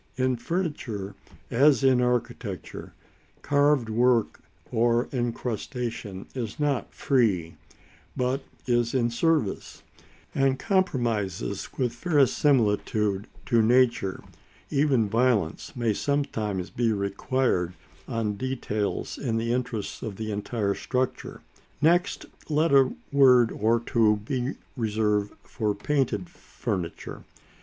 In furniture, as in architecture, carved work or incrustation is not free, but is in service; and compromises with verisimilitude to nature, even violence, may sometimes be required on details in the interests of the entire structure. Next let a word or two be reserved for Painted Furniture.